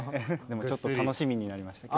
でもちょっと楽しみになりました。